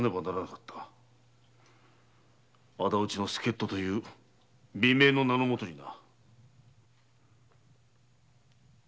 “仇討ちの助っ人”という美名の名の下にな。